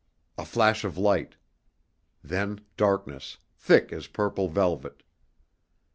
A flash of light. Then darkness, thick as purple velvet.